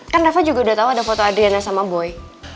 kan rafa juga udah tahu ada foto adriana sama boy